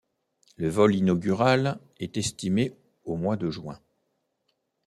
Le vol inaugural, est estimé au mois de juin.